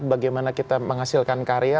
bagaimana kita menghasilkan karya